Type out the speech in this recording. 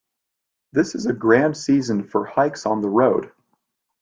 This is a grand season for hikes on the road.